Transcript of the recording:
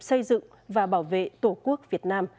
xây dựng và bảo vệ tổ quốc việt nam